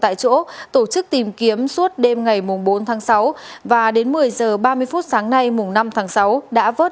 tại chỗ tổ chức tìm kiếm suốt đêm ngày bốn tháng sáu và đến một mươi giờ ba mươi phút sáng nay năm tháng sáu đã vớt